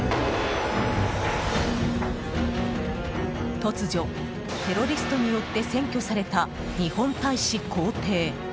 突如、テロリストによって占拠された日本大使公邸。